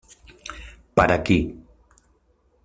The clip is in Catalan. Per aquí.